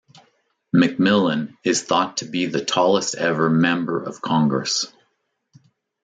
McMillen is thought to be the tallest-ever member of Congress.